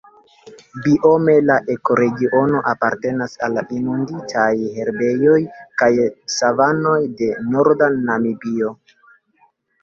Biome la ekoregiono apartenas al inunditaj herbejoj kaj savanoj de norda Namibio.